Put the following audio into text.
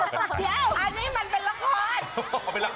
เดี๋ยวอันนี้มันเป็นละคร